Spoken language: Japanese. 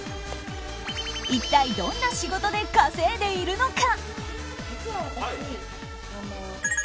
一体どんな仕事で稼いでいるのか？